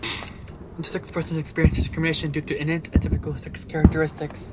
Intersex persons experience discrimination due to innate, atypical sex characteristics.